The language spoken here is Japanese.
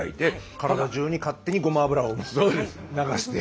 体じゅうに勝手にごま油を流して。